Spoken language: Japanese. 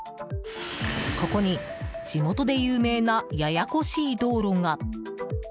ここに、地元で有名なややこしい道路が。